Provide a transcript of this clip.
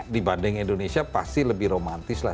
dibanding indonesia pasti lebih romantis lah